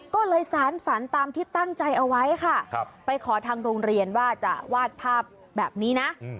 ก็เลยสารฝันตามที่ตั้งใจเอาไว้ค่ะไปขอทางโรงเรียนว่าจะวาดภาพแบบนี้นะ